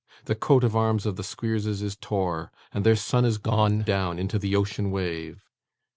The coat of arms of the Squeerses is tore, and their sun is gone down into the ocean wave!